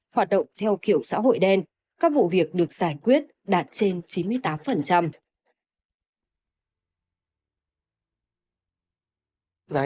hoạt động theo kiểu xã hội đen các vụ việc được giải quyết đạt trên chín mươi tám